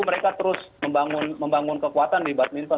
mereka terus membangun kekuatan di badminton